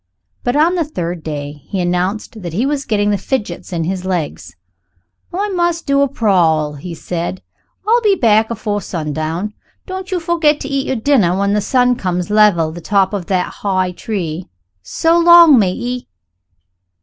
But on the third day he announced that he was getting the fidgets in his legs. "I must do a prowl," he said; "I'll be back afore sundown. Don't you forget to eat your dinner when the sun comes level the top of that high tree. So long, matey."